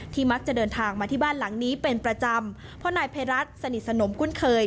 มักจะเดินทางมาที่บ้านหลังนี้เป็นประจำเพราะนายภัยรัฐสนิทสนมคุ้นเคย